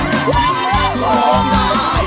ดีจังเลย